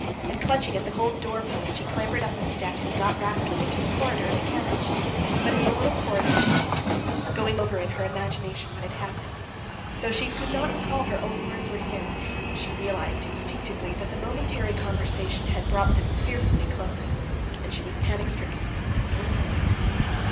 And clutching at the cold door post, she clambered up the steps and got rapidly into the corridor of the carriage. But in the little corridor she paused, going over in her imagination what had happened. Though she could not recall her own words or his, she realized instinctively that the momentary conversation had brought them fearfully closer; and she was panic stricken and blissful at it.